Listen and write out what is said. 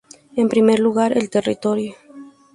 En primer lugar, el territorio.